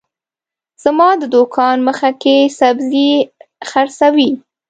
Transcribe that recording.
زما د دوکان مخه کي سبزي حرڅوي